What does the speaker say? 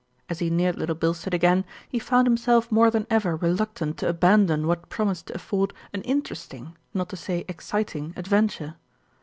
As he neared Little Bilstead again, he found himself more than ever reluctant to abandon what promised to afford an interesting, not to say exciting, adventure.